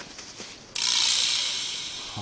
は